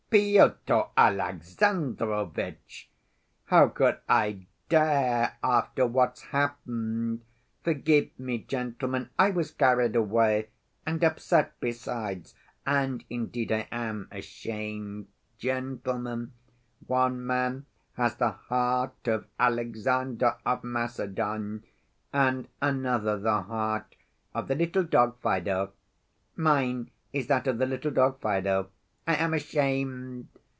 "Pyotr Alexandrovitch! How could I dare after what's happened! Forgive me, gentlemen, I was carried away! And upset besides! And, indeed, I am ashamed. Gentlemen, one man has the heart of Alexander of Macedon and another the heart of the little dog Fido. Mine is that of the little dog Fido. I am ashamed!